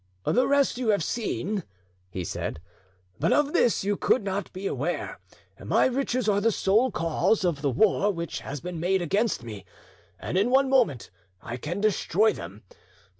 "The rest you have seen," he said, "but of this you could not be aware. My riches are the sole cause of the war which has been made against me, and in one moment I can destroy them.